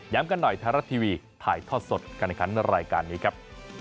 ย้ำกันหน่อยทาระทีวีถ่ายทอดสดกันให้คันรายการนี้ครับ